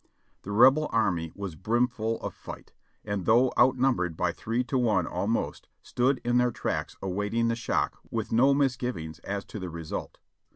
* The Rebel army was brimful of fight, and though out numbered by three to one almost, stood in their tracks awaiting the shock with no misgivings as to the result.